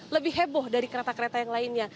lebih heboh dari kereta kereta yang lainnya